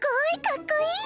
かっこいい！